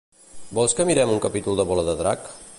Vols que mirem un capítol de Bola de Drac?